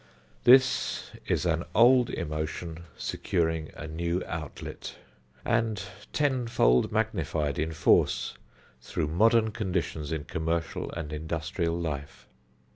This is an old emotion securing a new outlet, and tenfold magnified in force, through modern conditions in commercial and industrial life.